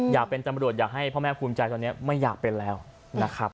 อยากเป็นตำรวจอยากให้พ่อแม่ภูมิใจตอนนี้ไม่อยากเป็นแล้วนะครับ